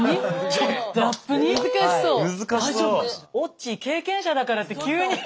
オッチー経験者だからって急に。